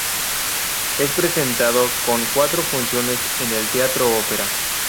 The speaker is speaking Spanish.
Es presentado con cuatro funciones en el Teatro Opera.